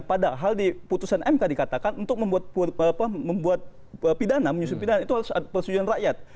padahal di putusan mk dikatakan untuk membuat pidana menyusun pidana itu harus persetujuan rakyat